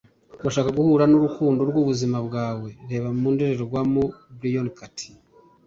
urashaka guhura nurukundo rwubuzima bwawe? reba mu ndorerwamo - byron katie